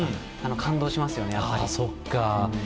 感動しますよね、やっぱり。